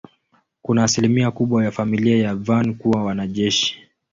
Kuna asilimia kubwa ya familia ya Van kuwa wanajeshi.